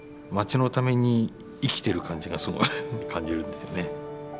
町のために生きてる感じがすごい感じるんですよね。